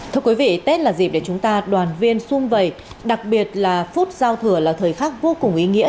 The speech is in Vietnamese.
thưa quý vị tết là dịp để chúng ta đoàn viên xung vầy đặc biệt là phút giao thừa là thời khắc vô cùng ý nghĩa